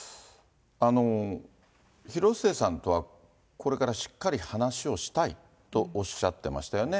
広末さんとはこれからしっかり話をしたいとおっしゃってましたよね。